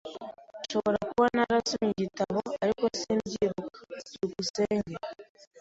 Nshobora kuba narasomye igitabo, ariko simbyibuka. byukusenge